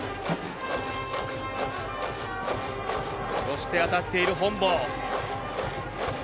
そして、当たっている本坊。